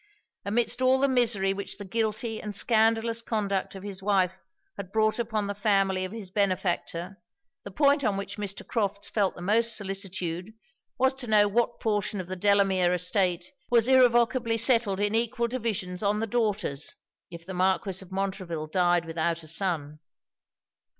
Amidst all the misery which the guilty and scandalous conduct of his wife had brought upon the family of his benefactor, the point on which Mr. Crofts felt the most solicitude, was to know what portion of the Delamere estate was irrevocably settled in equal divisions on the daughters, if the Marquis of Montreville died without a son.